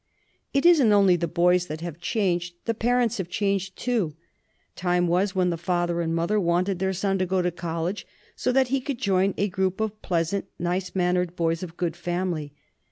"It isn't only the boys that have changed the parents have changed too. Time was when the father and mother wanted their son to go to college so that he could join a group of pleasant, nice mannered boys of good family.